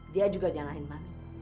dia juga nyalahin mami